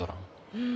うん。